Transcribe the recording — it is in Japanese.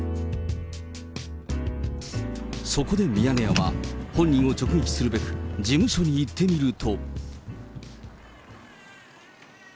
そこでミヤネ屋は、本人を直撃するべく、事務所に行ってみると。